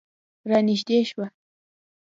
رانږدې شوه.